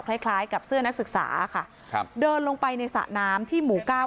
คล้ายคล้ายกับเสื้อนักศึกษาค่ะครับเดินลงไปในสระน้ำที่หมู่เก้า